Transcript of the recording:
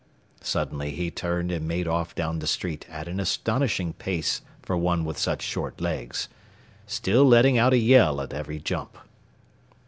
Suddenly he turned and made off down the street at an astonishing pace for one with such short legs, still letting out a yell at every jump.